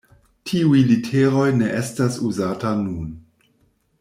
Tiuj literoj ne estas uzata nun.